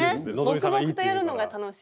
黙々とやるのが楽しい。